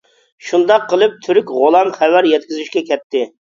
شۇنداق قىلىپ تۈرك غۇلام خەۋەر يەتكۈزۈشكە كەتتى.